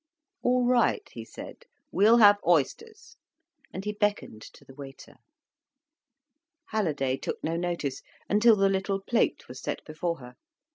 "All right," he said. "We'll have oysters." And he beckoned to the waiter. Halliday took no notice, until the little plate was set before her.